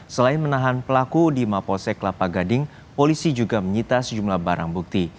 selain menahan pelaku di mapolsek lapa gading polisi juga menyita sejumlah barang bukti